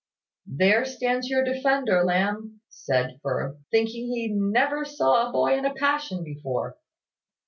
"There stands your defender, Lamb," said Firth, "thinking he never saw a boy in a passion before.